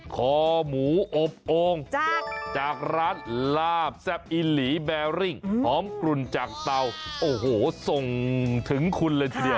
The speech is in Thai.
คอหมูอบโอ่งจากร้านลาบแซ่บอิหลีแบริ่งหอมกลุ่นจากเตาโอ้โหส่งถึงคุณเลยทีเดียว